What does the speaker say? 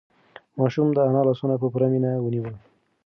ماشوم د انا لاسونه په پوره مینه ونیول.